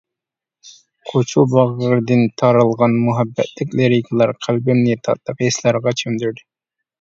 قوچۇ باغرىدىن تارالغان مۇھەببەتلىك لىرىكىلار قەلبىمنى تاتلىق ھېسلارغا چۆمدۈردى.